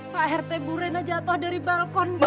pak erte bu rina jatuh dari balkon pak